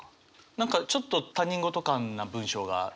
何かちょっと他人事感な文章がいいですよね。